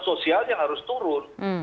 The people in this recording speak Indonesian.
sosial yang harus turun